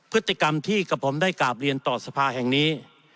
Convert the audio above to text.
พฤติกรรมที่กับผมได้กราบเรียนต่อสภาแห่งนี้